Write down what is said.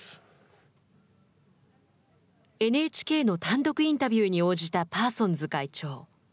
ＮＨＫの単独インタビューに応じたパーソンズ会長。